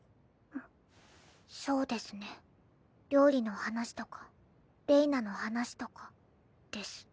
そうですね料理の話とかれいなの話とかです。